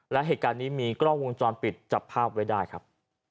และเหตุการณ์นี้มีกล้องวงจรปิดจับภาพไว้ได้ครับ